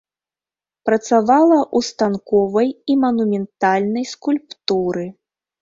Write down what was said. Працавала ў станковай і манументальнай скульптуры.